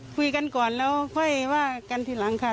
คุยกันก่อนแล้วก็กั้นทีหลังค่ะ